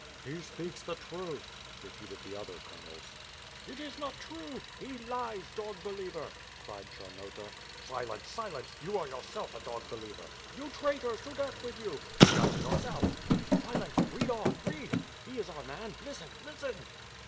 "He speaks the truth," repeated the other colonels. "It is not true! He lies, dog believer, "cried Chamota. "Silence, silence! you are yourself a dog believer." "You traitors, to death with you!" "To death with yourself!" "Silence, read on! Read! He is our man. Listen, listen!"